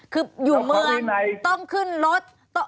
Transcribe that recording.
คืออยู่เมืองต้องขึ้นรถ